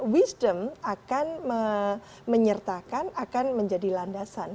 wisdom akan menyertakan akan menjadi landasan